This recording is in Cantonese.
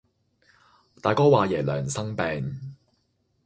大哥説爺娘生病，